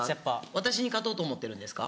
私に勝とうと思ってるんですか？